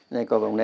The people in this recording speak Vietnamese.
đây cỏ vồng đây